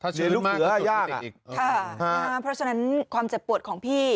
เดรี่ยรุกเหลือยากอ่ะนะครับเพราะฉะนั้นความเจ็บปวดของพี่